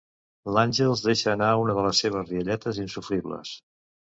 L'Àngels deixa anar una de les seves rialletes insofribles.